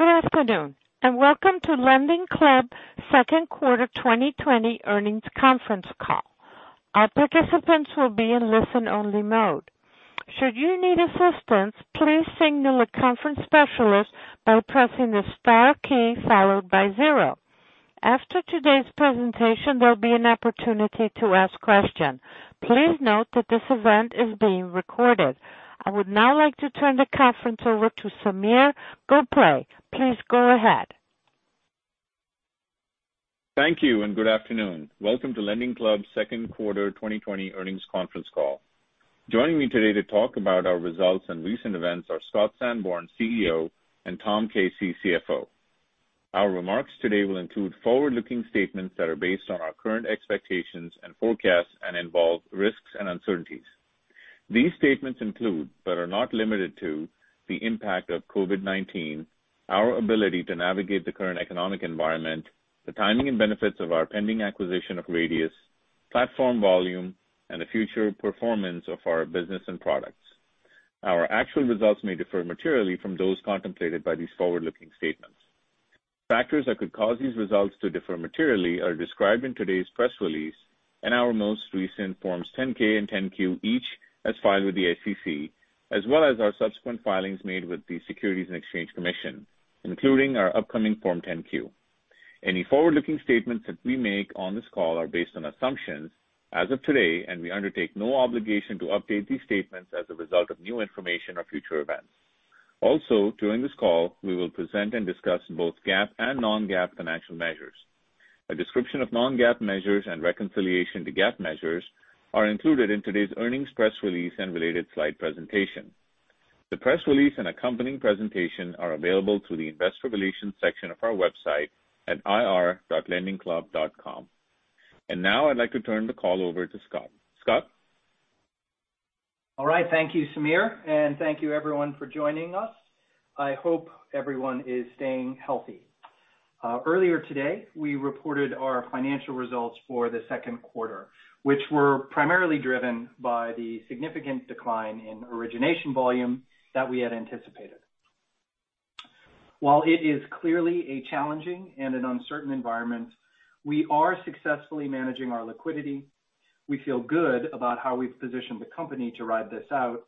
Good afternoon and welcome to LendingClub 2nd Quarter 2020 Earnings Conference Call. Our participants will be in listen-only mode. Should you need assistance, please signal a conference specialist by pressing the star key followed by zero. After today's presentation, there'll be an opportunity to ask questions. Please note that this event is being recorded. I would now like to turn the conference over to Sameer Gokhale. Please go ahead. Thank you and good afternoon. Welcome to LendingClub 2nd quarter 2020 earnings conference call. Joining me today to talk about our results and recent events are Scott Sanborn, CEO, and Tom Casey, CFO. Our remarks today will include forward-looking statements that are based on our current expectations and forecasts and involve risks and uncertainties. These statements include, but are not limited to, the impact of COVID-19, our ability to navigate the current economic environment, the timing and benefits of our pending acquisition of Radius, platform volume, and the future performance of our business and products. Our actual results may differ materially from those contemplated by these forward-looking statements. Factors that could cause these results to differ materially are described in today's press release, and our most recent forms 10-K and 10-Q each as filed with the SEC, as well as our subsequent filings made with the Securities and Exchange Commission, including our upcoming form 10-Q. Any forward-looking statements that we make on this call are based on assumptions as of today, and we undertake no obligation to update these statements as a result of new information or future events. Also, during this call, we will present and discuss both GAAP and non-GAAP financial measures. A description of non-GAAP measures and reconciliation to GAAP measures are included in today's earnings press release and related slide presentation. The press release and accompanying presentation are available through the Investor Relations section of our website at ir.lendingclub.com. Now I'd like to turn the call over to Scott. Scott? All right, thank you, Sameer, and thank you everyone for joining us. I hope everyone is staying healthy. Earlier today, we reported our financial results for the 2nd quarter, which were primarily driven by the significant decline in origination volume that we had anticipated. While it is clearly a challenging and an uncertain environment, we are successfully managing our liquidity. We feel good about how we've positioned the company to ride this out.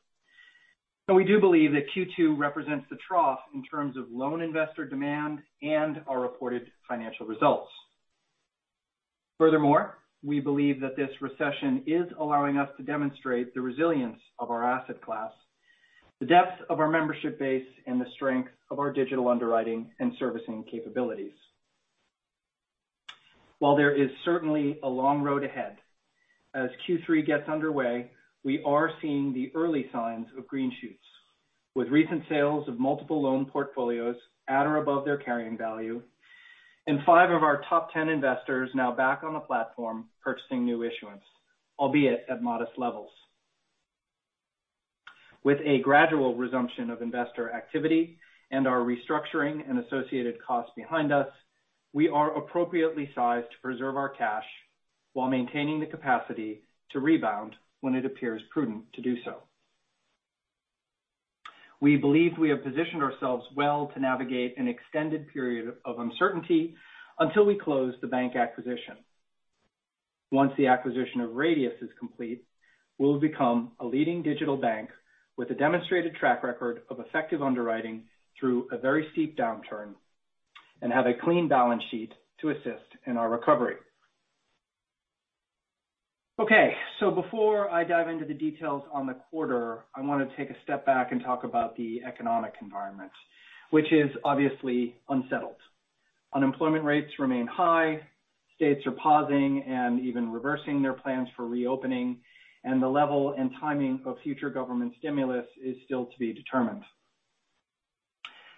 We do believe that Q2 represents the trough in terms of loan investor demand and our reported financial results. Furthermore, we believe that this recession is allowing us to demonstrate the resilience of our asset class, the depth of our membership base, and the strength of our digital underwriting and servicing capabilities. While there is certainly a long road ahead, as Q3 gets underway, we are seeing the early signs of green shoots, with recent sales of multiple loan portfolios at or above their carrying value, and five of our top 10 investors now back on the platform purchasing new issuance, albeit at modest levels. With a gradual resumption of investor activity and our restructuring and associated costs behind us, we are appropriately sized to preserve our cash while maintaining the capacity to rebound when it appears prudent to do so. We believe we have positioned ourselves well to navigate an extended period of uncertainty until we close the bank acquisition. Once the acquisition of Radius is complete, we'll become a leading digital bank with a demonstrated track record of effective underwriting through a very steep downturn and have a clean balance sheet to assist in our recovery. Okay, so before I dive into the details on the quarter, I want to take a step back and talk about the economic environment, which is obviously unsettled. Unemployment rates remain high, states are pausing and even reversing their plans for reopening, and the level and timing of future government stimulus is still to be determined.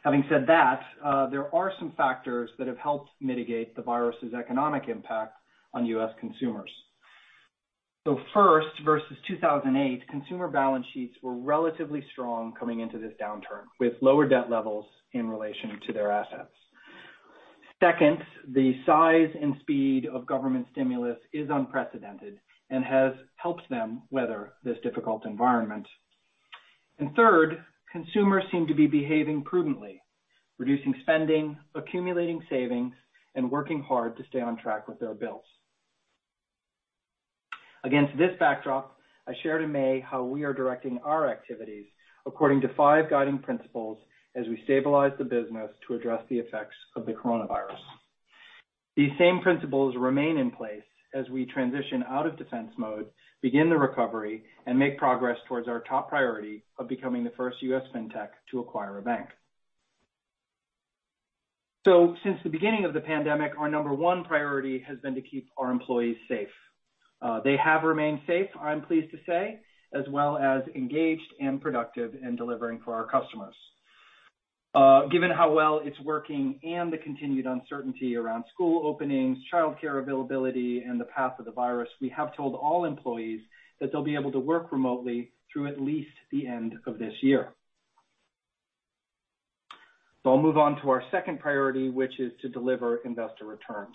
Having said that, there are some factors that have helped mitigate the virus's economic impact on U.S. consumers. First, versus 2008, consumer balance sheets were relatively strong coming into this downturn, with lower debt levels in relation to their assets. Second, the size and speed of government stimulus is unprecedented and has helped them weather this difficult environment. Third, consumers seem to be behaving prudently, reducing spending, accumulating savings, and working hard to stay on track with their bills. Against this backdrop, I shared in May how we are directing our activities according to five guiding principles as we stabilize the business to address the effects of the coronavirus. These same principles remain in place as we transition out of defense mode, begin the recovery, and make progress towards our top priority of becoming the first U.S. FinTech to acquire a bank. Since the beginning of the pandemic, our number one priority has been to keep our employees safe. They have remained safe, I'm pleased to say, as well as engaged and productive in delivering for our customers. Given how well it's working and the continued uncertainty around school openings, childcare availability, and the path of the virus, we have told all employees that they'll be able to work remotely through at least the end of this year. I'll move on to our second priority, which is to deliver investor returns.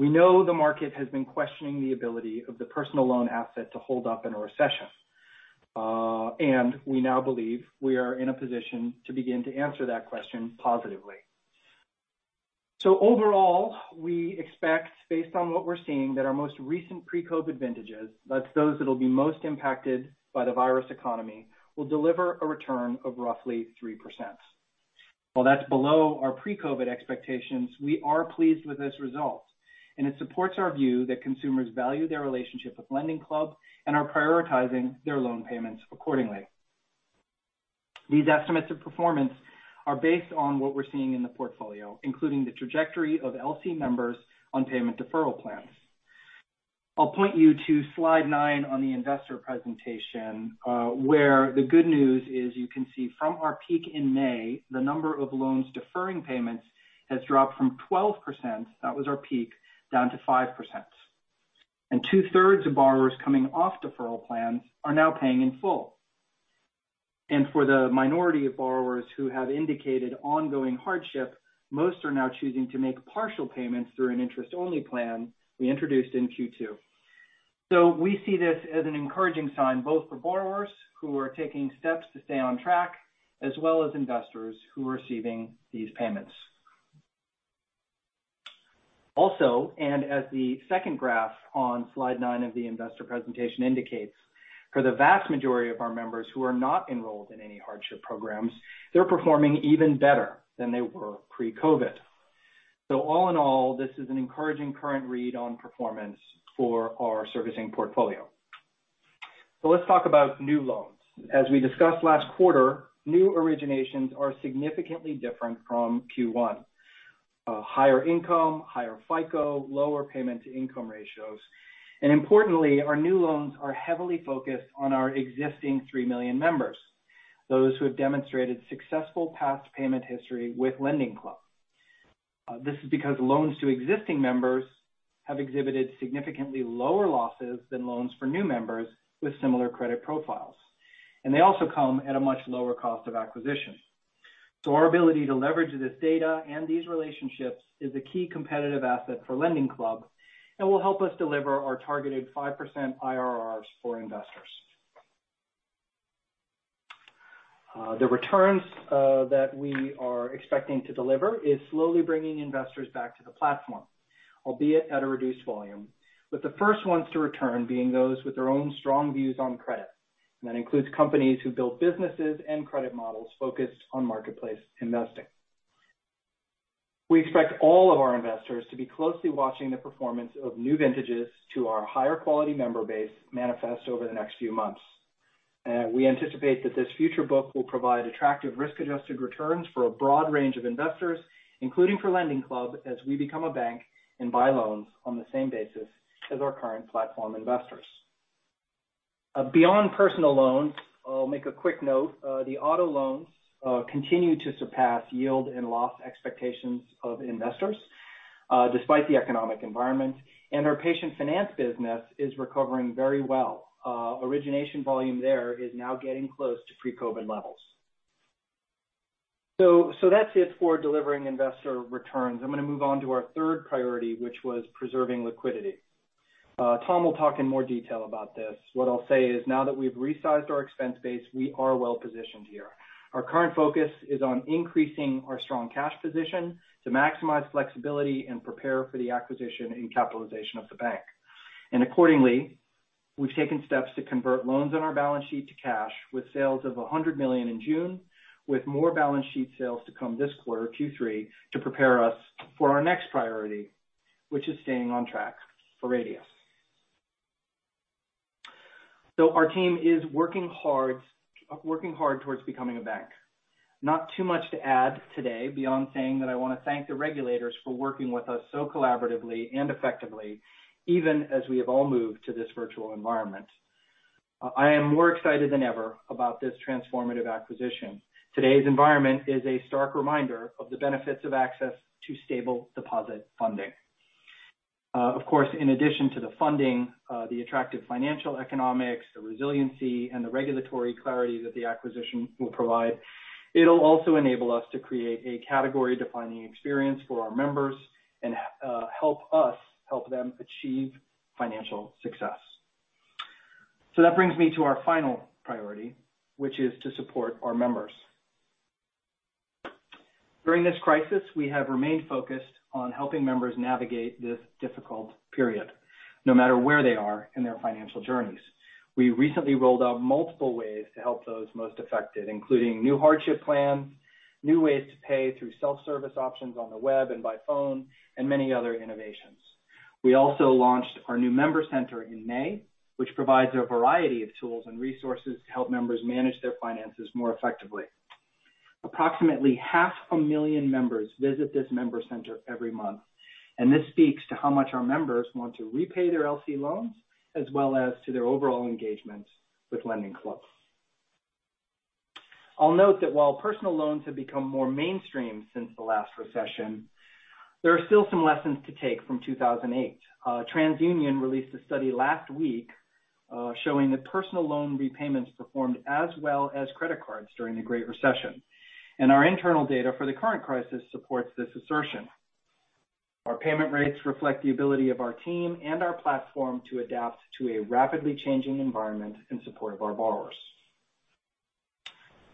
We know the market has been questioning the ability of the personal loan asset to hold up in a recession, and we now believe we are in a position to begin to answer that question positively. Overall, we expect, based on what we're seeing, that our most recent pre-COVID vintages, that's those that will be most impacted by the virus economy, will deliver a return of roughly 3%. While that's below our pre-COVID expectations, we are pleased with this result, and it supports our view that consumers value their relationship with LendingClub and are prioritizing their loan payments accordingly. These estimates of performance are based on what we're seeing in the portfolio, including the trajectory of LC members on payment deferral plans. I'll point you to slide nine on the investor presentation, where the good news is you can see from our peak in May, the number of loans deferring payments has dropped from 12%, that was our peak, down to 5%. Two-thirds of borrowers coming off deferral plans are now paying in full. For the minority of borrowers who have indicated ongoing hardship, most are now choosing to make partial payments through an interest-only plan we introduced in Q2. We see this as an encouraging sign both for borrowers who are taking steps to stay on track, as well as investors who are receiving these payments. Also, as the second graph on slide nine of the investor presentation indicates, for the vast majority of our members who are not enrolled in any hardship programs, they're performing even better than they were pre-COVID. All in all, this is an encouraging current read on performance for our servicing portfolio. Let's talk about new loans. As we discussed last quarter, new originations are significantly different from Q1. Higher income, higher FICO, lower payment to income ratios, and importantly, our new loans are heavily focused on our existing three million members, those who have demonstrated successful past payment history with LendingClub. This is because loans to existing members have exhibited significantly lower losses than loans for new members with similar credit profiles, and they also come at a much lower cost of acquisition. Our ability to leverage this data and these relationships is a key competitive asset for LendingClub and will help us deliver our targeted 5% IRRs for investors. The returns that we are expecting to deliver are slowly bringing investors back to the platform, albeit at a reduced volume, with the first ones to return being those with their own strong views on credit, and that includes companies who build businesses and credit models focused on marketplace investing. We expect all of our investors to be closely watching the performance of new vintages to our higher quality member base manifest over the next few months. We anticipate that this future book will provide attractive risk-adjusted returns for a broad range of investors, including for LendingClub, as we become a bank and buy loans on the same basis as our current platform investors. Beyond personal loans, I'll make a quick note. The auto loans continue to surpass yield and loss expectations of investors despite the economic environment, and our patient finance business is recovering very well. Origination volume there is now getting close to pre-COVID levels. That is it for delivering investor returns. I am going to move on to our third priority, which was preserving liquidity. Tom will talk in more detail about this. What I will say is now that we have resized our expense base, we are well positioned here. Our current focus is on increasing our strong cash position to maximize flexibility and prepare for the acquisition and capitalization of the bank. Accordingly, we have taken steps to convert loans on our balance sheet to cash with sales of $100 million in June, with more balance sheet sales to come this quarter, Q3, to prepare us for our next priority, which is staying on track for Radius. Our team is working hard towards becoming a bank. Not too much to add today beyond saying that I want to thank the regulators for working with us so collaboratively and effectively, even as we have all moved to this virtual environment. I am more excited than ever about this transformative acquisition. Today's environment is a stark reminder of the benefits of access to stable deposit funding. Of course, in addition to the funding, the attractive financial economics, the resiliency, and the regulatory clarity that the acquisition will provide, it'll also enable us to create a category-defining experience for our members and help us help them achieve financial success. That brings me to our final priority, which is to support our members. During this crisis, we have remained focused on helping members navigate this difficult period, no matter where they are in their financial journeys. We recently rolled out multiple ways to help those most affected, including new hardship plans, new ways to pay through self-service options on the web and by phone, and many other innovations. We also launched our new member center in May, which provides a variety of tools and resources to help members manage their finances more effectively. Approximately 500,000 members visit this member center every month, and this speaks to how much our members want to repay their LC loans, as well as to their overall engagements with LendingClub. I'll note that while personal loans have become more mainstream since the last recession, there are still some lessons to take from 2008. TransUnion released a study last week showing that personal loan repayments performed as well as credit cards during the Great Recession, and our internal data for the current crisis supports this assertion. Our payment rates reflect the ability of our team and our platform to adapt to a rapidly changing environment in support of our borrowers.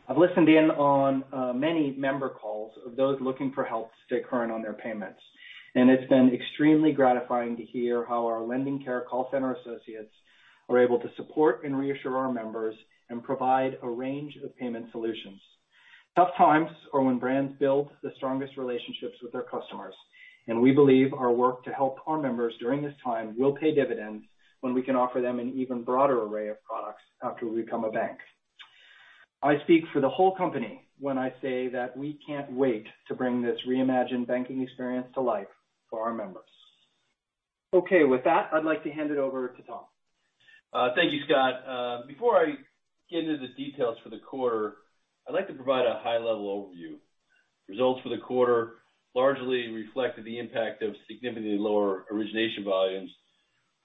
I've listened in on many member calls of those looking for help to stay current on their payments, and it's been extremely gratifying to hear how our LendingCare call center associates are able to support and reassure our members and provide a range of payment solutions. Tough times are when brands build the strongest relationships with their customers, and we believe our work to help our members during this time will pay dividends when we can offer them an even broader array of products after we become a bank. I speak for the whole company when I say that we can't wait to bring this reimagined banking experience to life for our members. Okay, with that, I'd like to hand it over to Tom. Thank you, Scott. Before I get into the details for the quarter, I'd like to provide a high-level overview. Results for the quarter largely reflected the impact of significantly lower origination volumes,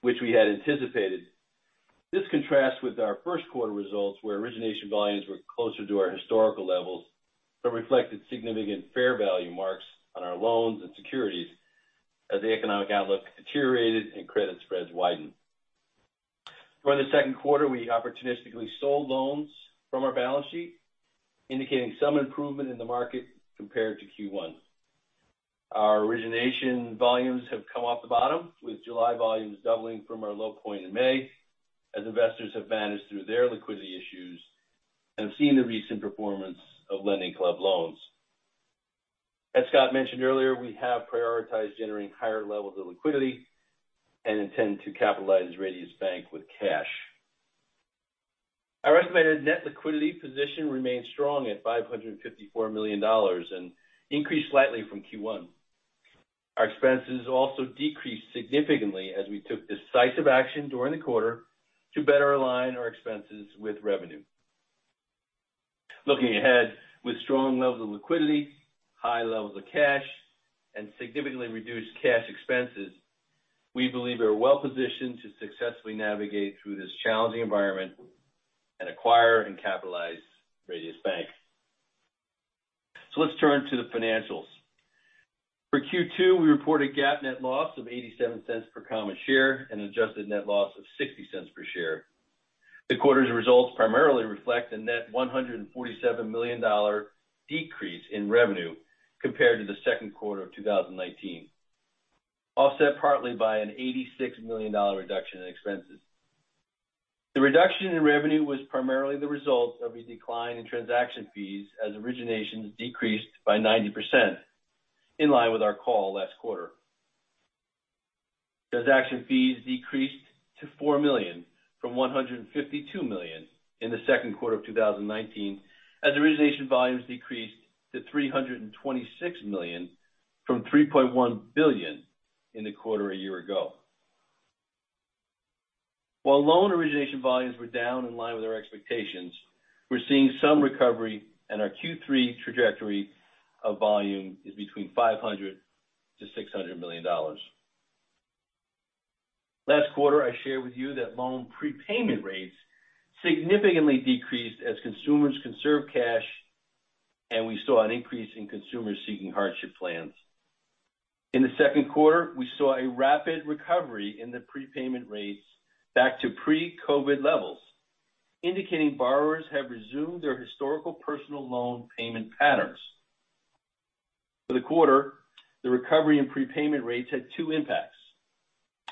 which we had anticipated. This contrasts with our 1st quarter results, where origination volumes were closer to our historical levels but reflected significant fair value marks on our loans and securities as the economic outlook deteriorated and credit spreads widened. During the 2nd quarter, we opportunistically sold loans from our balance sheet, indicating some improvement in the market compared to Q1. Our origination volumes have come off the bottom, with July volumes doubling from our low point in May as investors have managed through their liquidity issues and have seen the recent performance of LendingClub loans. As Scott mentioned earlier, we have prioritized generating higher levels of liquidity and intend to capitalize Radius Bank with cash. Our estimated net liquidity position remains strong at $554 million and increased slightly from Q1. Our expenses also decreased significantly as we took decisive action during the quarter to better align our expenses with revenue. Looking ahead, with strong levels of liquidity, high levels of cash, and significantly reduced cash expenses, we believe we are well positioned to successfully navigate through this challenging environment and acquire and capitalize Radius Bank. Let's turn to the financials. For Q2, we reported GAAP net loss of $0.87 per common share and adjusted net loss of $0.60 per share. The quarter's results primarily reflect a net $147 million decrease in revenue compared to the 2nd quarter of 2019, offset partly by an $86 million reduction in expenses. The reduction in revenue was primarily the result of a decline in transaction fees as originations decreased by 90%, in line with our call last quarter. Transaction fees decreased to $4 million from $152 million in the 2nd quarter of 2019 as origination volumes decreased to $326 million from $3.1 billion in the quarter a year ago. While loan origination volumes were down in line with our expectations, we're seeing some recovery, and our Q3 trajectory of volume is between $500-$600 million. Last quarter, I shared with you that loan prepayment rates significantly decreased as consumers conserved cash, and we saw an increase in consumers seeking hardship plans. In the 2ndquarter, we saw a rapid recovery in the prepayment rates back to pre-COVID levels, indicating borrowers have resumed their historical personal loan payment patterns. For the quarter, the recovery in prepayment rates had two impacts.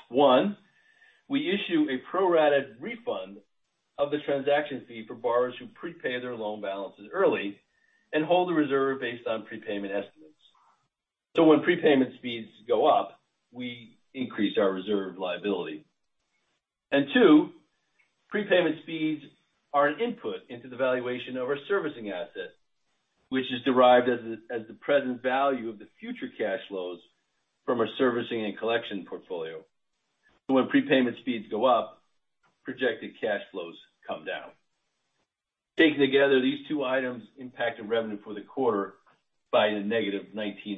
One, we issue a pro-rata refund of the transaction fee for borrowers who prepay their loan balances early and hold the reserve based on prepayment estimates. When prepayment speeds go up, we increase our reserve liability. Two, prepayment speeds are an input into the valuation of our servicing asset, which is derived as the present value of the future cash flows from our servicing and collection portfolio. When prepayment speeds go up, projected cash flows come down. Taken together, these two items impacted revenue for the quarter by a $-19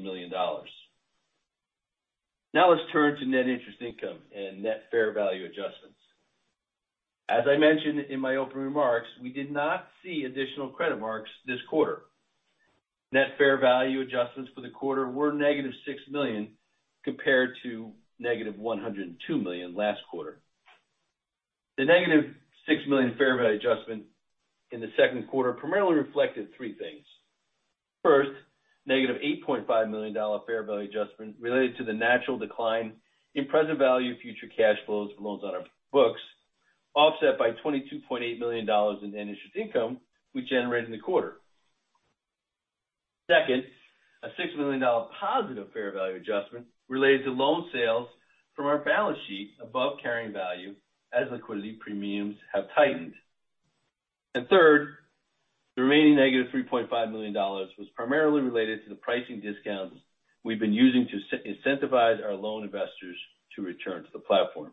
million. Now let's turn to net interest income and net fair value adjustments. As I mentioned in my opening remarks, we did not see additional credit marks this quarter. Net fair value adjustments for the quarter were $-6 million compared to $-102 million last quarter. The $-6 million fair value adjustment in the second quarter primarily reflected three things. First, $-8.5 million fair value adjustment related to the natural decline in present value future cash flows of loans on our books, offset by $22.8 million in net interest income we generated in the quarter. Second, a $6 million positive fair value adjustment related to loan sales from our balance sheet above carrying value as liquidity premiums have tightened. Third, the remaining $-3.5 million was primarily related to the pricing discounts we've been using to incentivize our loan investors to return to the platform.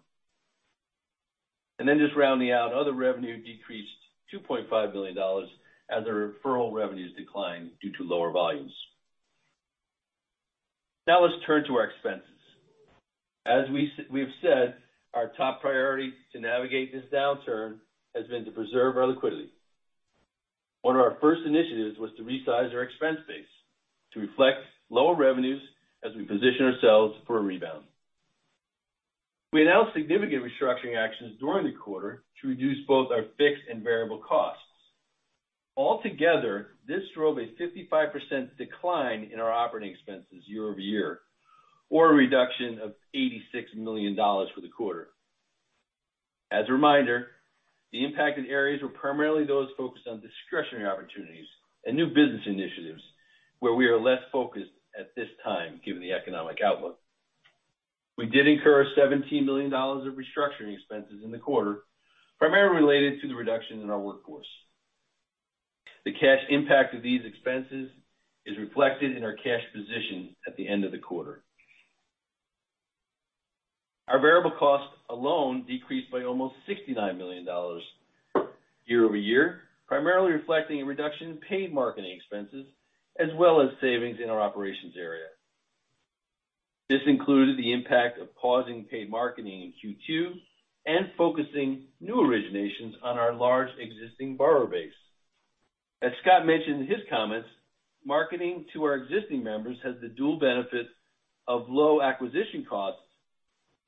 Just rounding out, other revenue decreased $2.5 million as our referral revenues declined due to lower volumes. Now let's turn to our expenses. As we have said, our top priority to navigate this downturn has been to preserve our liquidity. One of our first initiatives was to resize our expense base to reflect lower revenues as we position ourselves for a rebound. We announced significant restructuring actions during the quarter to reduce both our fixed and variable costs. Altogether, this drove a 55% decline in our operating expenses year-over-year, or a reduction of $86 million for the quarter. As a reminder, the impacted areas were primarily those focused on discretionary opportunities and new business initiatives, where we are less focused at this time given the economic outlook. We did incur $17 million of restructuring expenses in the quarter, primarily related to the reduction in our workforce. The cash impact of these expenses is reflected in our cash position at the end of the quarter. Our variable cost alone decreased by almost $69 million year-over-year, primarily reflecting a reduction in paid marketing expenses as well as savings in our operations area. This included the impact of pausing paid marketing in Q2 and focusing new originations on our large existing borrower base. As Scott mentioned in his comments, marketing to our existing members has the dual benefit of low acquisition costs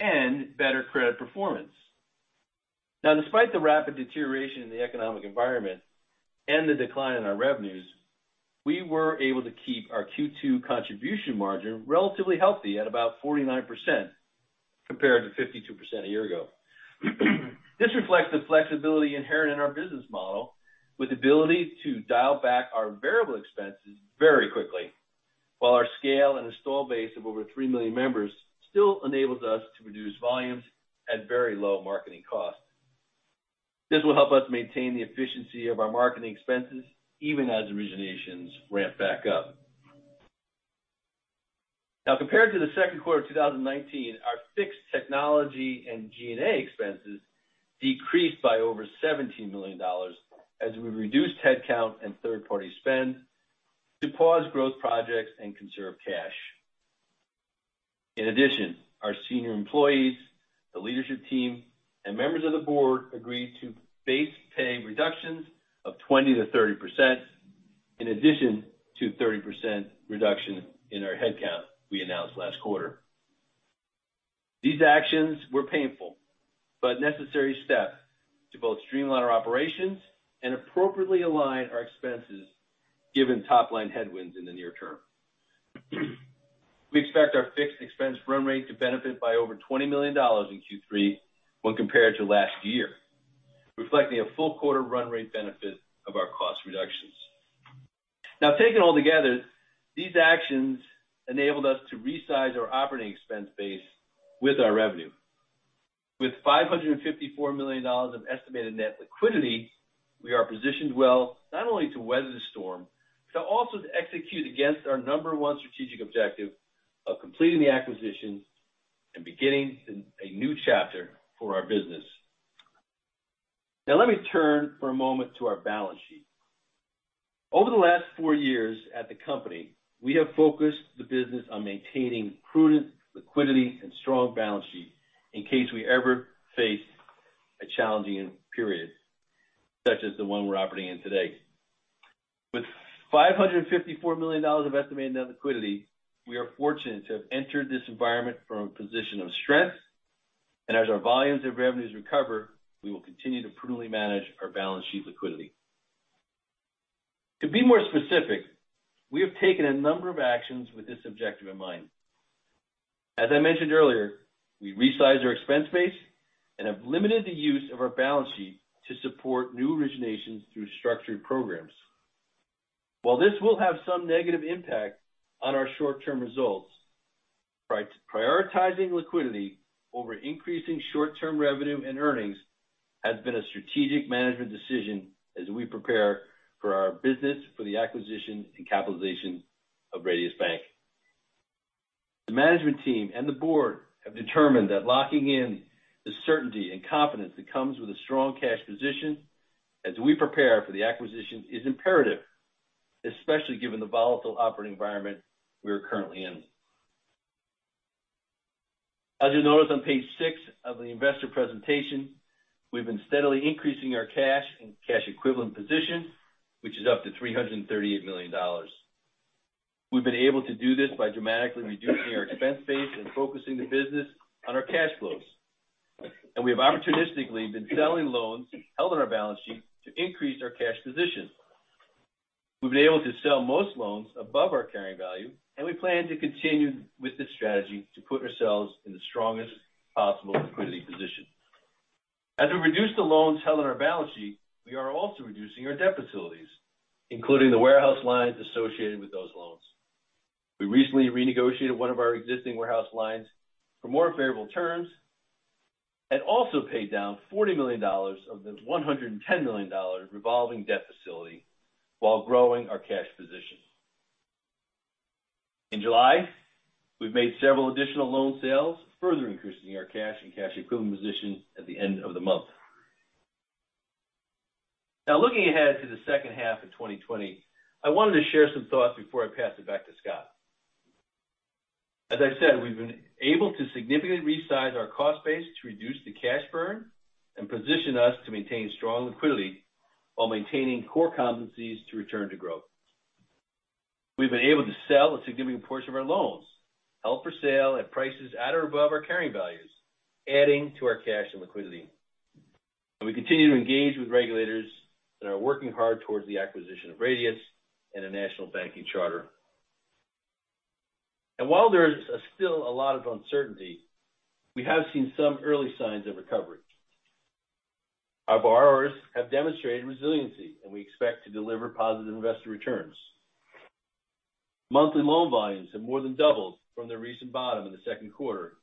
and better credit performance. Now, despite the rapid deterioration in the economic environment and the decline in our revenues, we were able to keep our Q2 contribution margin relatively healthy at about 49% compared to 52% a year ago. This reflects the flexibility inherent in our business model, with the ability to dial back our variable expenses very quickly, while our scale and install base of over three million members still enables us to reduce volumes at very low marketing costs. This will help us maintain the efficiency of our marketing expenses even as originations ramp back up. Now, compared to the 2nd quarter of 2019, our fixed technology and G&A expenses decreased by over $17 million as we reduced headcount and third-party spend to pause growth projects and conserve cash. In addition, our senior employees, the leadership team, and members of the board agreed to base pay reductions of 20%-30%, in addition to a 30% reduction in our headcount we announced last quarter. These actions were painful, but necessary steps to both streamline our operations and appropriately align our expenses given top-line headwinds in the near term. We expect our fixed expense run rate to benefit by over $20 million in Q3 when compared to last year, reflecting a full quarter run rate benefit of our cost reductions. Now, taken all together, these actions enabled us to resize our operating expense base with our revenue. With $554 million of estimated net liquidity, we are positioned well not only to weather the storm, but also to execute against our number one strategic objective of completing the acquisitions and beginning a new chapter for our business. Now, let me turn for a moment to our balance sheet. Over the last four years at the company, we have focused the business on maintaining prudent liquidity and strong balance sheet in case we ever faced a challenging period, such as the one we're operating in today. With $554 million of estimated net liquidity, we are fortunate to have entered this environment from a position of strength, and as our volumes and revenues recover, we will continue to prudently manage our balance sheet liquidity. To be more specific, we have taken a number of actions with this objective in mind. As I mentioned earlier, we resized our expense base and have limited the use of our balance sheet to support new originations through structured programs. While this will have some negative impact on our short-term results, prioritizing liquidity over increasing short-term revenue and earnings has been a strategic management decision as we prepare our business for the acquisition and capitalization of Radius Bank. The management team and the board have determined that locking in the certainty and confidence that comes with a strong cash position as we prepare for the acquisition is imperative, especially given the volatile operating environment we are currently in. As you'll notice on page six of the investor presentation, we've been steadily increasing our cash and cash equivalent position, which is up to $338 million. We've been able to do this by dramatically reducing our expense base and focusing the business on our cash flows. We have opportunistically been selling loans held on our balance sheet to increase our cash position. We've been able to sell most loans above our carrying value, and we plan to continue with this strategy to put ourselves in the strongest possible liquidity position. As we reduce the loans held on our balance sheet, we are also reducing our debt facilities, including the warehouse lines associated with those loans. We recently renegotiated one of our existing warehouse lines for more favorable terms and also paid down $40 million of the $110 million revolving debt facility while growing our cash position. In July, we've made several additional loan sales, further increasing our cash and cash equivalent position at the end of the month. Now, looking ahead to the 2nd half of 2020, I wanted to share some thoughts before I pass it back to Scott. As I said, we've been able to significantly resize our cost base to reduce the cash burn and position us to maintain strong liquidity while maintaining core competencies to return to growth. We've been able to sell a significant portion of our loans, held for sale at prices at or above our carrying values, adding to our cash and liquidity. We continue to engage with regulators that are working hard towards the acquisition of Radius and a national banking charter. While there is still a lot of uncertainty, we have seen some early signs of recovery. Our borrowers have demonstrated resiliency, and we expect to deliver positive investor returns. Monthly loan volumes have more than doubled from the recent bottom in the 2nd quarter,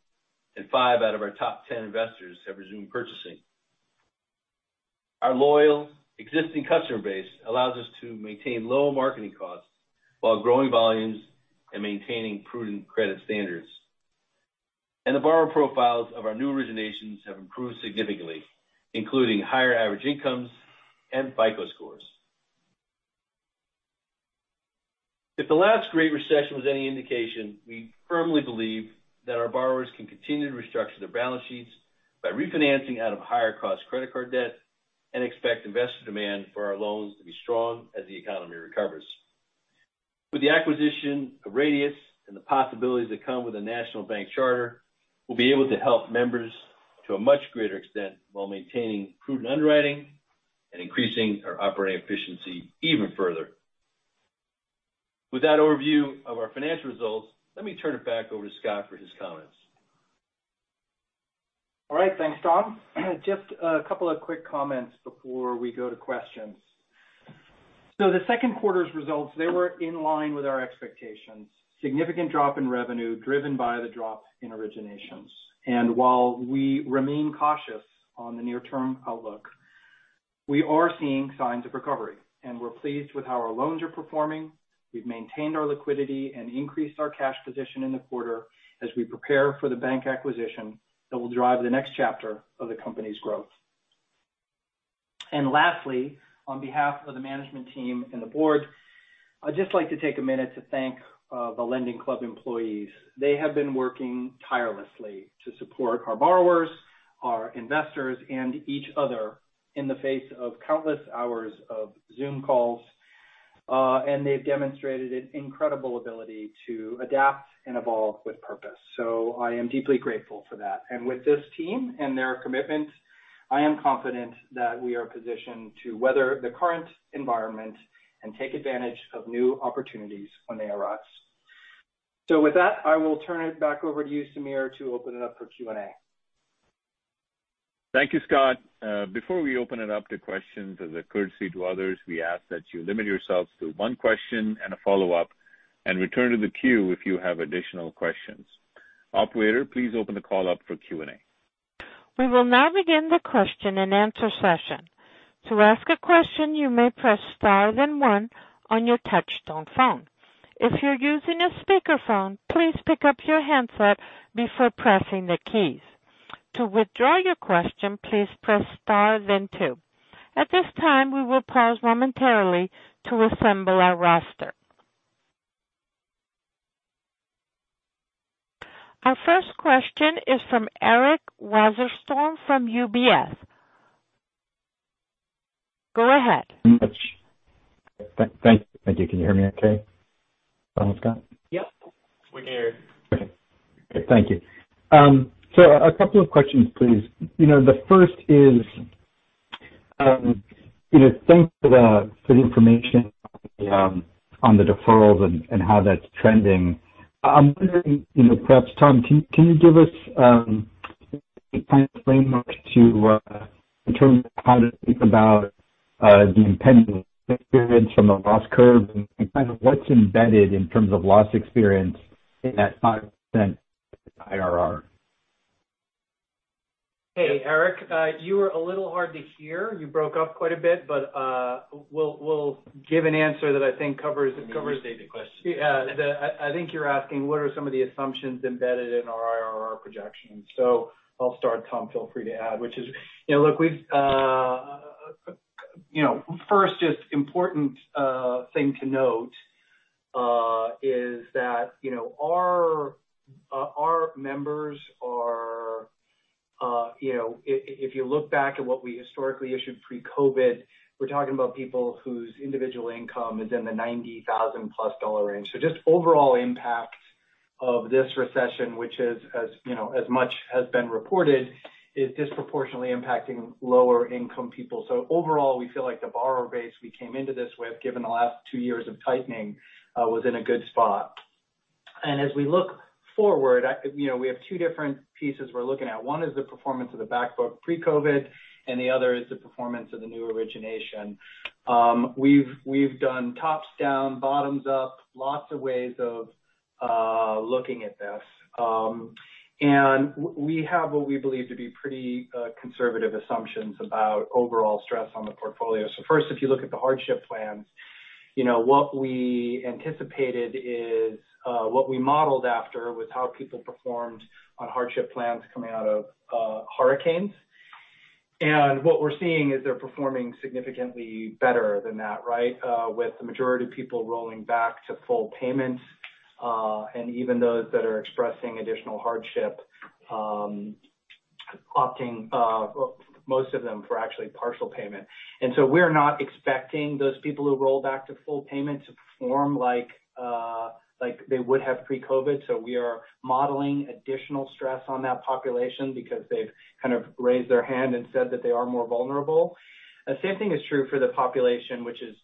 and five out of our top 10 investors have resumed purchasing. Our loyal existing customer base allows us to maintain low marketing costs while growing volumes and maintaining prudent credit standards. The borrower profiles of our new originations have improved significantly, including higher average incomes and FICO scores. If the last great recession was any indication, we firmly believe that our borrowers can continue to restructure their balance sheets by refinancing out of higher-cost credit card debt and expect investor demand for our loans to be strong as the economy recovers. With the acquisition of Radius and the possibilities that come with a national bank charter, we will be able to help members to a much greater extent while maintaining prudent underwriting and increasing our operating efficiency even further. With that overview of our financial results, let me turn it back over to Scott for his comments. All right. Thanks, Tom. Just a couple of quick comments before we go to questions. The 2nd quarter's results, they were in line with our expectations. Significant drop in revenue driven by the drop in originations. While we remain cautious on the near-term outlook, we are seeing signs of recovery, and we're pleased with how our loans are performing. We've maintained our liquidity and increased our cash position in the quarter as we prepare for the bank acquisition that will drive the next chapter of the company's growth. Lastly, on behalf of the management team and the board, I'd just like to take a minute to thank the LendingClub employees. They have been working tirelessly to support our borrowers, our investors, and each other in the face of countless hours of Zoom calls. They have demonstrated an incredible ability to adapt and evolve with purpose. I am deeply grateful for that. With this team and their commitment, I am confident that we are positioned to weather the current environment and take advantage of new opportunities when they arise. I will turn it back over to you, Sameer, to open it up for Q&A. Thank you, Scott. Before we open it up to questions, as a courtesy to others, we ask that you limit yourselves to one question and a follow-up, and return to the queue if you have additional questions. Operator, please open the call up for Q&A. We will now begin the question and answer session. To ask a question, you may press star then one on your touch-tone phone. If you're using a speakerphone, please pick up your handset before pressing the keys. To withdraw your question, please press star then two. At this time, we will pause momentarily to assemble our roster. Our first question is from Eric Wasserstrom from UBS. Go ahead. Thank you. Can you hear me okay, Scott? Yep. We can hear you. Okay. Thank you. A couple of questions, please. The first is, thanks for the information on the deferrals and how that's trending. I'm wondering, perhaps, Tom, can you give us kind of a framework to determine how to think about the impending experience from the loss curve and kind of what's embedded in terms of loss experience in that 5% IRR? Hey, Eric, you were a little hard to hear. You broke up quite a bit, but we'll give an answer that I think covers the question. I think you're asking what are some of the assumptions embedded in our IRR projections. I'll start, Tom. Feel free to add, which is, look, first, just important thing to note is that our members are, if you look back at what we historically issued pre-COVID, we're talking about people whose individual income is in the $90,000-plus range. Just overall impact of this recession, which, as much has been reported, is disproportionately impacting lower-income people. Overall, we feel like the borrower base we came into this with, given the last two years of tightening, was in a good spot. As we look forward, we have two different pieces we're looking at. One is the performance of the backbook pre-COVID, and the other is the performance of the new origination. We've done tops down, bottoms up, lots of ways of looking at this. We have what we believe to be pretty conservative assumptions about overall stress on the portfolio. First, if you look at the hardship plans, what we anticipated is what we modeled after was how people performed on hardship plans coming out of hurricanes. What we're seeing is they're performing significantly better than that, right, with the majority of people rolling back to full payments and even those that are expressing additional hardship, opting most of them for actually partial payment. We are not expecting those people who roll back to full payment to perform like they would have pre-COVID. We are modeling additional stress on that population because they've kind of raised their hand and said that they are more vulnerable. The same thing is true for the population, which is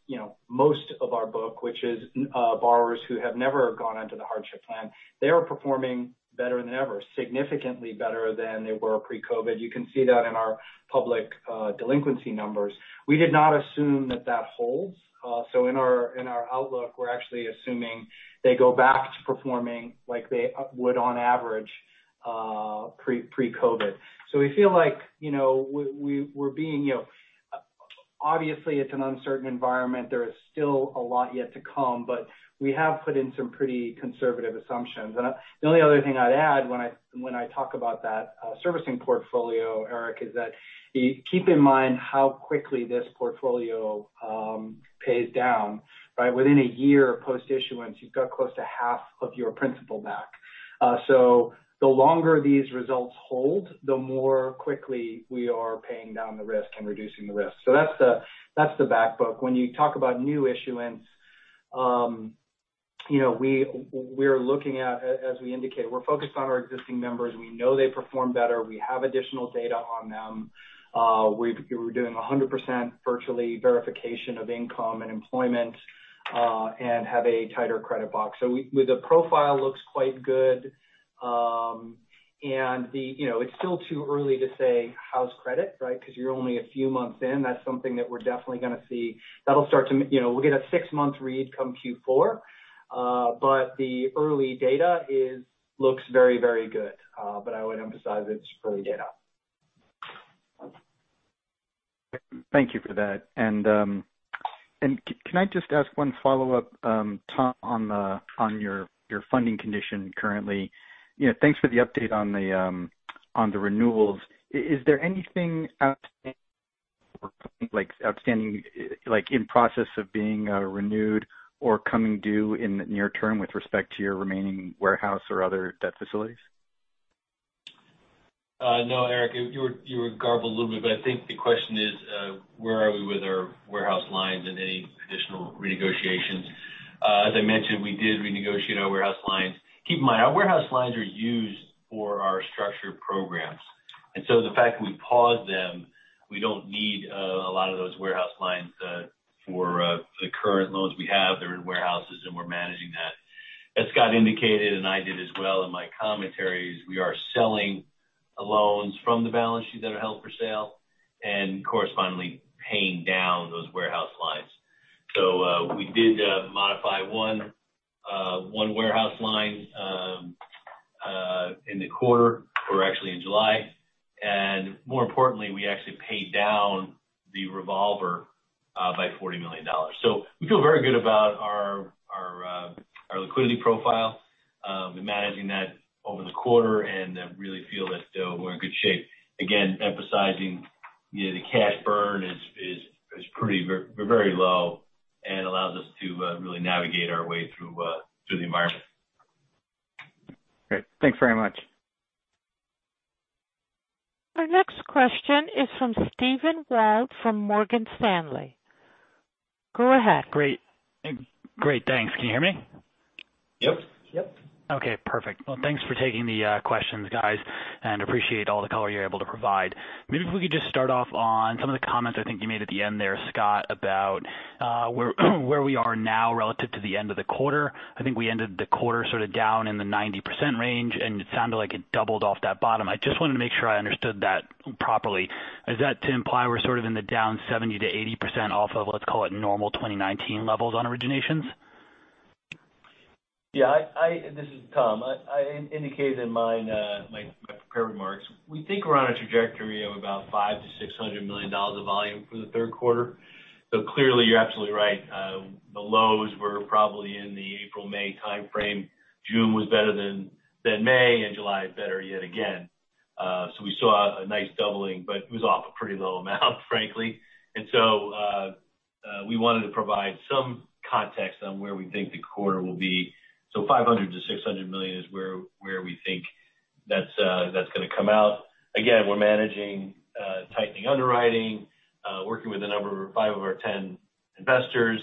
most of our book, which is borrowers who have never gone onto the hardship plan. They are performing better than ever, significantly better than they were pre-COVID. You can see that in our public delinquency numbers. We did not assume that that holds. In our outlook, we're actually assuming they go back to performing like they would on average pre-COVID. We feel like we're being obviously, it's an uncertain environment. There is still a lot yet to come, but we have put in some pretty conservative assumptions. The only other thing I'd add when I talk about that servicing portfolio, Eric, is that keep in mind how quickly this portfolio pays down, right? Within a year post-issuance, you've got close to half of your principal back. The longer these results hold, the more quickly we are paying down the risk and reducing the risk. That's the backbook. When you talk about new issuance, we are looking at, as we indicated, we're focused on our existing members. We know they perform better. We have additional data on them. We're doing 100% virtually verification of income and employment and have a tighter credit box. The profile looks quite good. It's still too early to say house credit, right, because you're only a few months in. That's something that we're definitely going to see. That'll start to we'll get a six-month read come Q4, but the early data looks very, very good. I would emphasize it's early data. Thank you for that. Can I just ask one follow-up, Tom, on your funding condition currently? Thanks for the update on the renewals. Is there anything outstanding in process of being renewed or coming due in the near term with respect to your remaining warehouse or other debt facilities? No, Eric, you were garbled a little bit, but I think the question is, where are we with our warehouse lines and any additional renegotiations? As I mentioned, we did renegotiate our warehouse lines. Keep in mind, our warehouse lines are used for our structured programs. The fact that we paused them, we do not need a lot of those warehouse lines for the current loans we have. They are in warehouses, and we are managing that. As Scott indicated, and I did as well in my commentaries, we are selling loans from the balance sheet that are held for sale and correspondingly paying down those warehouse lines. We did modify one warehouse line in the quarter or actually in July. More importantly, we actually paid down the revolver by $40 million. We feel very good about our liquidity profile and managing that over the quarter, and really feel that we're in good shape. Again, emphasizing the cash burn is very low and allows us to really navigate our way through the environment. Great. Thanks very much. Our next question is from Steven Wald from Morgan Stanley. Go ahead. Great. Great. Thanks. Can you hear me? Yep. Yep. Okay. Perfect. Thanks for taking the questions, guys, and appreciate all the color you're able to provide. Maybe if we could just start off on some of the comments I think you made at the end there, Scott, about where we are now relative to the end of the quarter. I think we ended the quarter sort of down in the 90% range, and it sounded like it doubled off that bottom. I just wanted to make sure I understood that properly. Is that to imply we're sort of in the down 70%-80% off of, let's call it, normal 2019 levels on originations? Yeah. This is Tom. I indicated in my prepared remarks, we think we're on a trajectory of about $500 million-$600 million of volume for the 3rd quarter. Clearly, you're absolutely right. The lows were probably in the April, May timeframe. June was better than May, and July is better yet again. We saw a nice doubling, but it was off a pretty low amount, frankly. We wanted to provide some context on where we think the quarter will be. $500 million-$600 million is where we think that's going to come out. Again, we're managing tightening underwriting, working with five of our 10 investors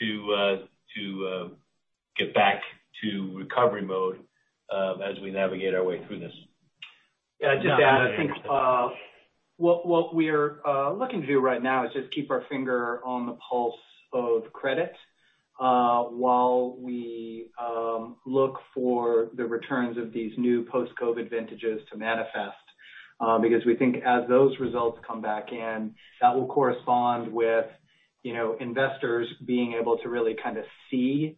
to get back to recovery mode as we navigate our way through this. Yeah. Just to add, I think what we're looking to do right now is just keep our finger on the pulse of credit while we look for the returns of these new post-COVID vintages to manifest because we think as those results come back in, that will correspond with investors being able to really kind of see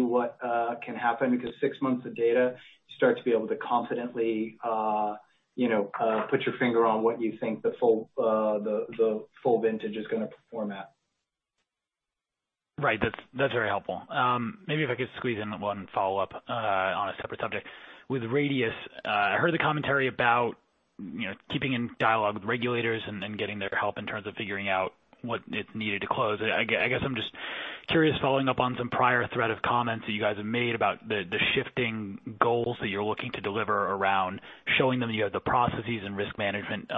what can happen because six months of data, you start to be able to confidently put your finger on what you think the full vintage is going to perform at. Right. That's very helpful. Maybe if I could squeeze in one follow-up on a separate subject. With Radius, I heard the commentary about keeping in dialogue with regulators and getting their help in terms of figuring out what it's needed to close. I guess I'm just curious following up on some prior thread of comments that you guys have made about the shifting goals that you're looking to deliver around showing them you have the processes and risk management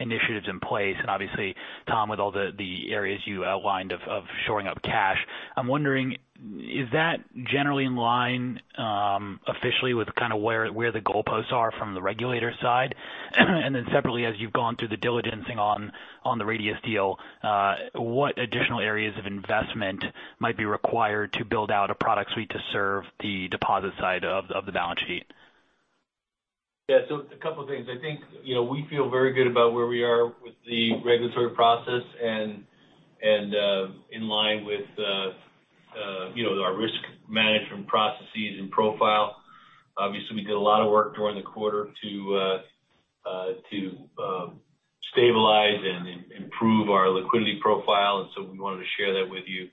initiatives in place. Obviously, Tom, with all the areas you outlined of shoring up cash, I'm wondering, is that generally in line officially with kind of where the goalposts are from the regulator side? Separately, as you've gone through the diligencing on the Radius deal, what additional areas of investment might be required to build out a product suite to serve the deposit side of the balance sheet? Yeah. A couple of things. I think we feel very good about where we are with the regulatory process and in line with our risk management processes and profile. Obviously, we did a lot of work during the quarter to stabilize and improve our liquidity profile. We wanted to share that with you.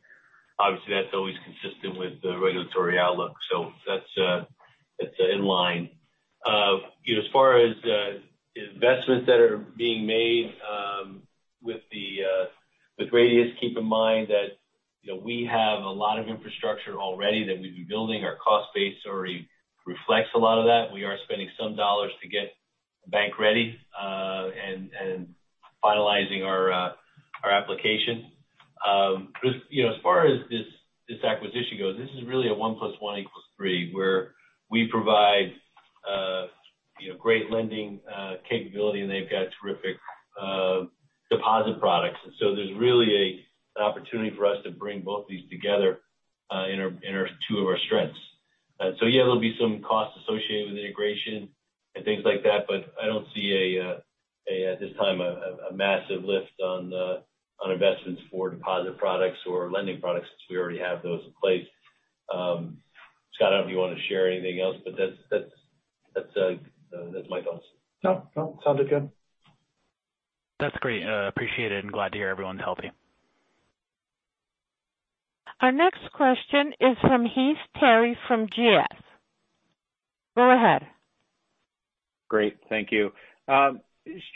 Obviously, that's always consistent with the regulatory outlook. That is in line. As far as investments that are being made with Radius, keep in mind that we have a lot of infrastructure already that we've been building. Our cost base already reflects a lot of that. We are spending some dollars to get bank ready and finalizing our application. As far as this acquisition goes, this is really a one plus one equals three where we provide great lending capability, and they've got terrific deposit products. There is really an opportunity for us to bring both of these together in two of our strengths. Yeah, there'll be some costs associated with integration and things like that, but I don't see at this time a massive lift on investments for deposit products or lending products since we already have those in place. Scott, I don't know if you want to share anything else, but that's my thoughts. No, no. Sounded good. That's great. Appreciate it and glad to hear everyone's healthy. Our next question is from Heath Terry from GS. Go ahead. Great. Thank you.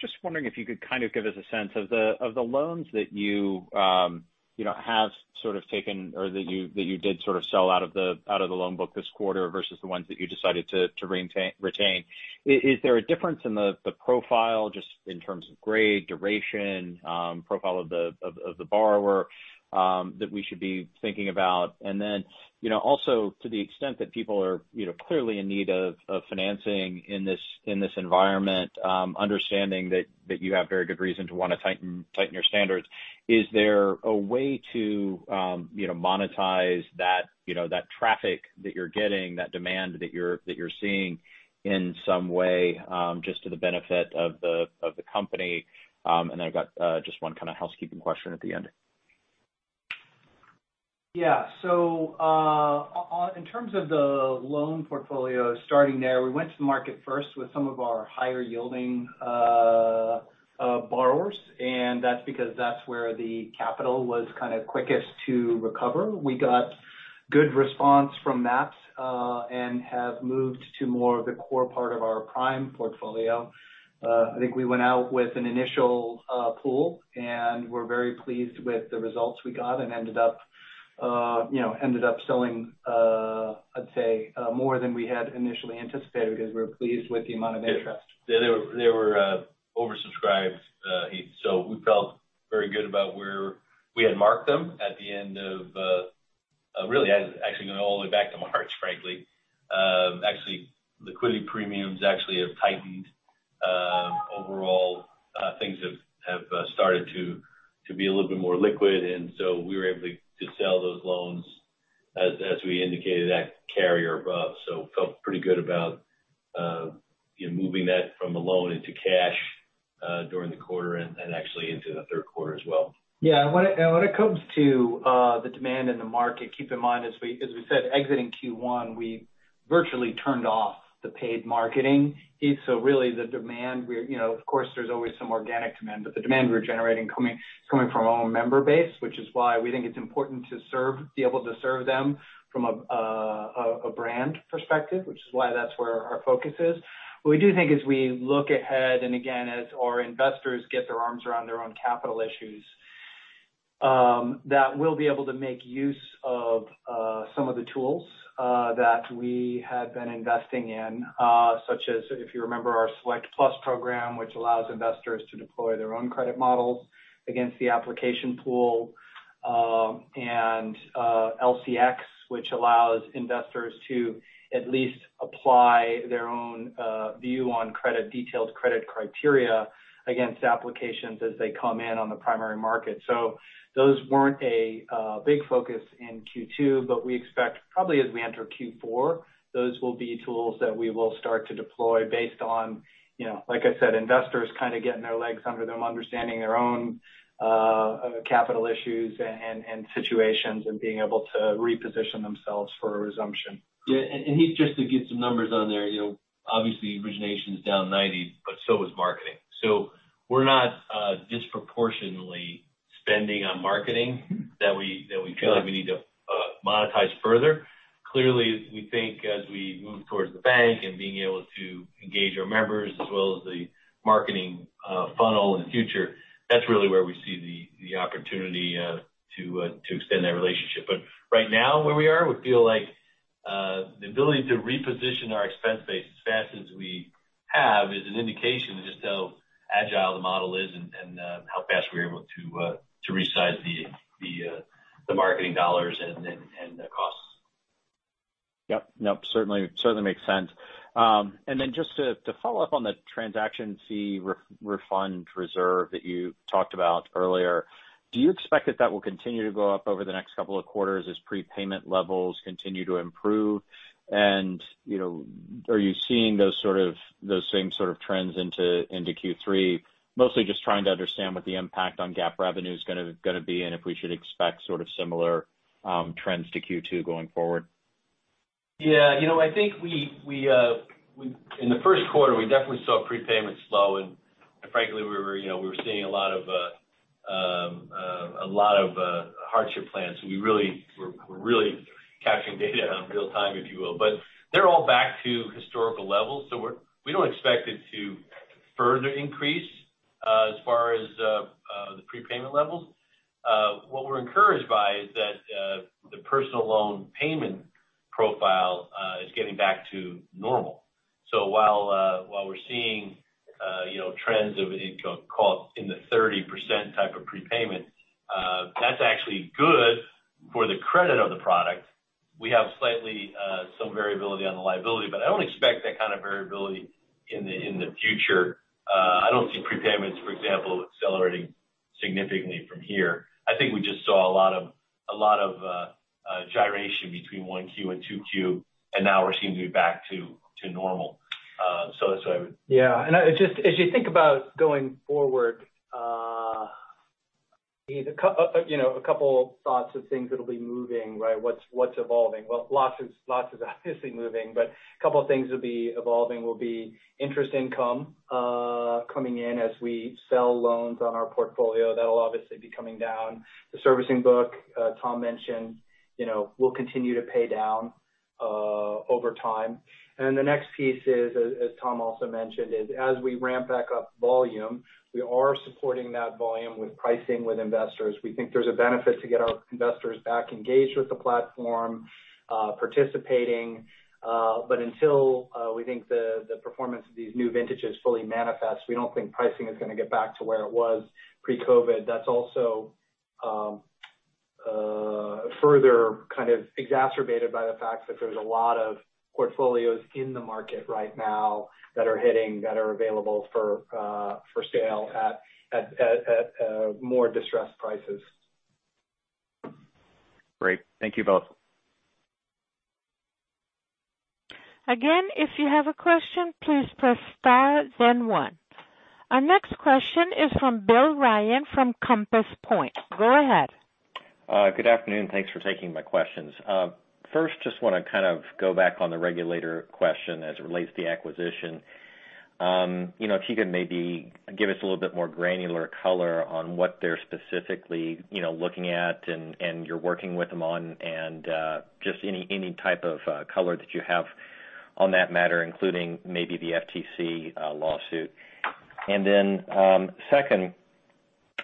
Just wondering if you could kind of give us a sense of the loans that you have sort of taken or that you did sort of sell out of the loan book this quarter versus the ones that you decided to retain. Is there a difference in the profile just in terms of grade, duration, profile of the borrower that we should be thinking about? To the extent that people are clearly in need of financing in this environment, understanding that you have very good reason to want to tighten your standards, is there a way to monetize that traffic that you're getting, that demand that you're seeing in some way just to the benefit of the company? I have just one kind of housekeeping question at the end. Yeah. In terms of the loan portfolio, starting there, we went to the market first with some of our higher-yielding borrowers, and that's because that's where the capital was kind of quickest to recover. We got good response from that and have moved to more of the core part of our prime portfolio. I think we went out with an initial pool, and we're very pleased with the results we got and ended up selling, I'd say, more than we had initially anticipated because we were pleased with the amount of interest. They were oversubscribed, Heath. We felt very good about where we had marked them at the end of really actually going all the way back to March, frankly. Actually, liquidity premiums actually have tightened. Overall, things have started to be a little bit more liquid, and we were able to sell those loans as we indicated that carrier above. We felt pretty good about moving that from a loan into cash during the quarter and actually into the 3rd quarter as well. Yeah. When it comes to the demand in the market, keep in mind, as we said, exiting Q1, we virtually turned off the paid marketing. Really, the demand we're, of course, there's always some organic demand, but the demand we're generating is coming from our own member base, which is why we think it's important to be able to serve them from a brand perspective, which is why that's where our focus is. What we do think is, we look ahead and again, as our investors get their arms around their own capital issues, that we'll be able to make use of some of the tools that we have been investing in, such as, if you remember, our Select Plus program, which allows investors to deploy their own credit models against the application pool, and LCX, which allows investors to at least apply their own view on detailed credit criteria against applications as they come in on the primary market. Those were not a big focus in Q2, but we expect probably as we enter Q4, those will be tools that we will start to deploy based on, like I said, investors kind of getting their legs under them, understanding their own capital issues and situations and being able to reposition themselves for a resumption. Yeah. And Heath, just to get some numbers on there, obviously, origination is down 90, but so is marketing. We are not disproportionately spending on marketing that we feel like we need to monetize further. Clearly, we think as we move towards the bank and being able to engage our members as well as the marketing funnel in the future, that is really where we see the opportunity to extend that relationship. Right now, where we are, we feel like the ability to reposition our expense base as fast as we have is an indication of just how agile the model is and how fast we're able to resize the marketing dollars and the costs. Yep. Nope. Certainly makes sense. Just to follow up on the transaction fee refund reserve that you talked about earlier, do you expect that that will continue to go up over the next couple of quarters as prepayment levels continue to improve? Are you seeing those same sort of trends into Q3, mostly just trying to understand what the impact on GAAP revenue is going to be and if we should expect sort of similar trends to Q2 going forward? Yeah. I think in the 1st quarter, we definitely saw prepayments slow, and frankly, we were seeing a lot of hardship plans. We really were really capturing data in real time, if you will. They are all back to historical levels, so we do not expect it to further increase as far as the prepayment levels. What we are encouraged by is that the personal loan payment profile is getting back to normal. While we are seeing trends of, call it, in the 30% type of prepayment, that is actually good for the credit of the product. We have slightly some variability on the liability, but I do not expect that kind of variability in the future. I do not see prepayments, for example, accelerating significantly from here. I think we just saw a lot of gyration between 1Q and 2Q, and now we are seeing them back to normal. That's why I would. Yeah. As you think about going forward, a couple thoughts of things that will be moving, right? What's evolving? Lots is obviously moving, but a couple of things will be evolving. Interest income coming in as we sell loans on our portfolio, that'll obviously be coming down. The servicing book, Tom mentioned, will continue to pay down over time. The next piece is, as Tom also mentioned, as we ramp back up volume, we are supporting that volume with pricing with investors. We think there's a benefit to get our investors back engaged with the platform, participating. Until we think the performance of these new vintages fully manifests, we don't think pricing is going to get back to where it was pre-COVID. That's also further kind of exacerbated by the fact that there's a lot of portfolios in the market right now that are hitting, that are available for sale at more distressed prices. Great. Thank you both. Again, if you have a question, please press star, then one. Our next question is from Bill Ryan from Compass Point. Go ahead. Good afternoon. Thanks for taking my questions. First, just want to kind of go back on the regulator question as it relates to the acquisition. If you could maybe give us a little bit more granular color on what they're specifically looking at and you're working with them on and just any type of color that you have on that matter, including maybe the FTC lawsuit. Then second,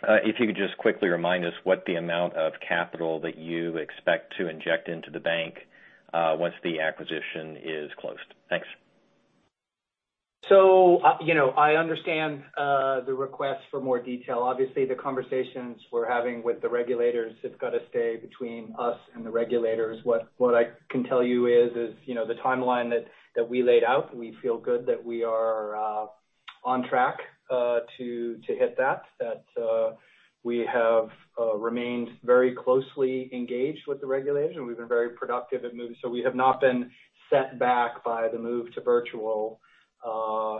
if you could just quickly remind us what the amount of capital that you expect to inject into the bank once the acquisition is closed. Thanks. I understand the request for more detail. Obviously, the conversations we are having with the regulators have got to stay between us and the regulators. What I can tell you is the timeline that we laid out, we feel good that we are on track to hit that, that we have remained very closely engaged with the regulators. We have been very productive at move. We have not been set back by the move to virtual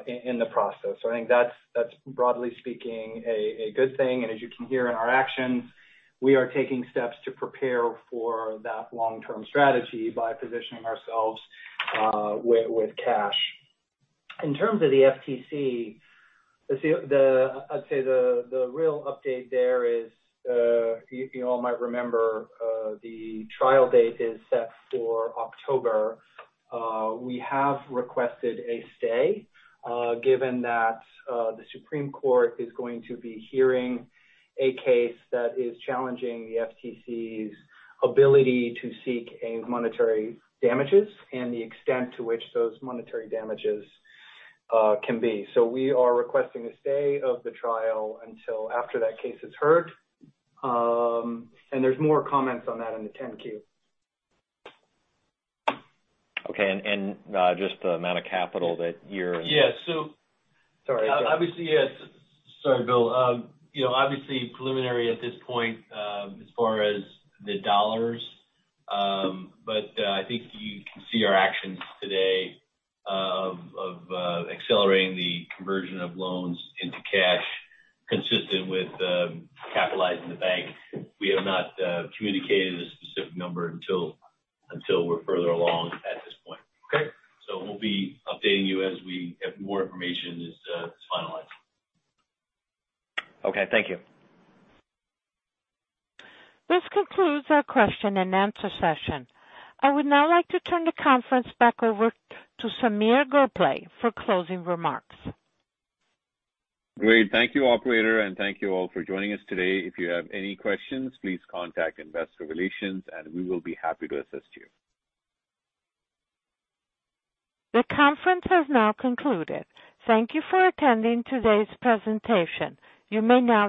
in the process. I think that is, broadly speaking, a good thing. As you can hear in our actions, we are taking steps to prepare for that long-term strategy by positioning ourselves with cash. In terms of the FTC, I'd say the real update there is you all might remember the trial date is set for October. We have requested a stay given that the Supreme Court is going to be hearing a case that is challenging the FTC's ability to seek monetary damages and the extent to which those monetary damages can be. We are requesting a stay of the trial until after that case is heard. There are more comments on that in the 10-Q. Okay. Just the amount of capital that you're in. Yeah. Sorry. Obviously, yeah. Sorry, Bill. Obviously, preliminary at this point as far as the dollars, but I think you can see our actions today of accelerating the conversion of loans into cash consistent with capitalizing the bank. We have not communicated a specific number until we're further along at this point. Okay? We will be updating you as we have more information as it is finalized. Okay. Thank you. This concludes our question and answer session. I would now like to turn the conference back over to Sameer Gokhale for closing remarks. Great. Thank you, Operator, and thank you all for joining us today. If you have any questions, please contact Investor Relations, and we will be happy to assist you. The conference has now concluded. Thank you for attending today's presentation. You may now.